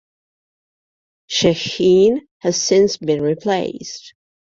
Sheheen has since been replaced.